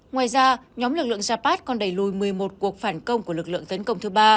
ngoài ra nhóm lực lượng japat còn đẩy lùi một mươi một cuộc phản công của lực lượng tấn công thứ ba